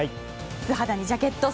素肌にジャケット。